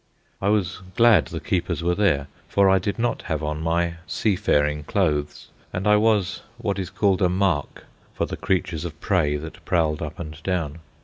I was glad the keepers were there, for I did not have on my "seafaring" clothes, and I was what is called a "mark" for the creatures of prey that prowled up and down.